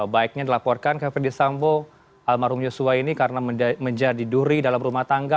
baiknya dilaporkan ke ferdis sambo almarhum yusuf ini karena menjadi duri dalam rumah tangga